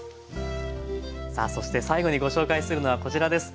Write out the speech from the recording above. さあそして最後にご紹介するのはこちらです。